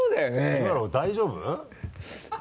今の大丈夫？